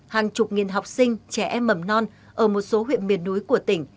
hàng chục nghìn học sinh trẻ em mầm non ở một số huyện miền núi của tỉnh